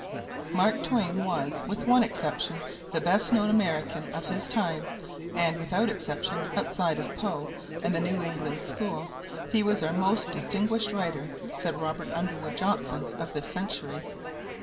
"Mark Twain was, with one exception, the best known American of his time, and, without exception, outside of Poe and the New England school, he was our most distinguished writer," said Robert Underwood Johnson, of the Century.